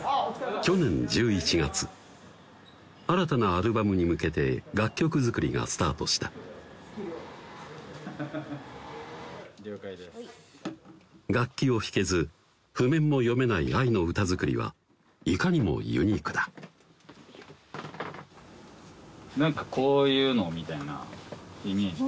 去年１１月新たなアルバムに向けて楽曲作りがスタートした楽器を弾けず譜面も読めないＡＩの歌作りはいかにもユニークだ何かこういうのみたいな